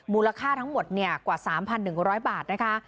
มูลค่าทั้งหมดกว่า๓๑๐๐บาทนะคะ